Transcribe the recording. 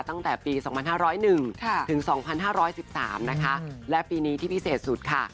ตั้งแต่ปี๒๕๐๑ถึง๒๕๑๓นะคะและปีนี้ที่พิเศษสุดค่ะ